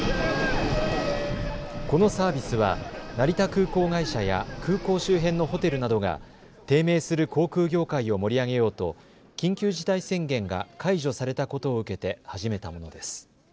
このサービスは成田空港会社や空港周辺のホテルなどが低迷する航空業界を盛り上げようと緊急事態宣言が解除されたことを受けて始めたものです。